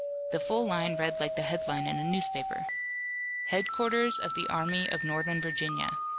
The full line read like the headline in a newspaper: HEADQUARTERS OF THE ARMY OF NORTHERN VIRGINIA.